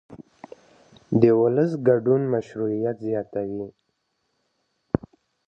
د ولس ګډون مشروعیت زیاتوي